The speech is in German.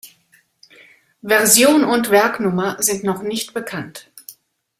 Version und Werknummer sind noch nicht bekannt.